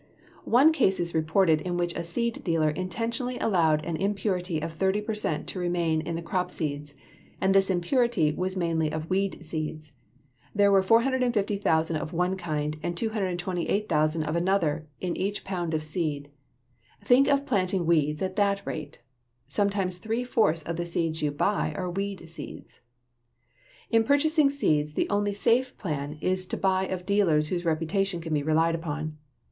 One case is reported in which a seed dealer intentionally allowed an impurity of 30 per cent to remain in the crop seeds, and this impurity was mainly of weed seeds. There were 450,000 of one kind and 288,000 of another in each pound of seed. Think of planting weeds at that rate! Sometimes three fourths of the seeds you buy are weed seeds. In purchasing seeds the only safe plan is to buy of dealers whose reputation can be relied upon.